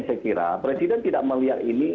saya kira presiden tidak melihat ini